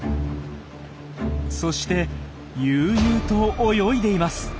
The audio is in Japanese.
そして悠々と泳いでいます。